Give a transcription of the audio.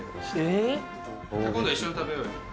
今度一緒に食べようよ。